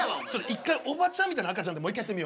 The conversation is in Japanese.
一回おばちゃんみたいな赤ちゃんでもう一回やってみよう。